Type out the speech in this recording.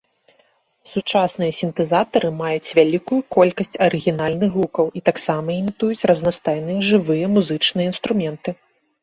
Сучасныя сінтэзатары маюць вялікую колькасць арыгінальных гукаў і таксама імітуюць разнастайныя жывыя музычныя інструменты.